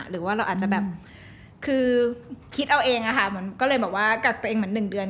หรือว่าเราอาจจะแบบคือคิดเอาเองอะค่ะเหมือนก็เลยบอกว่ากักตัวเองเหมือน๑เดือน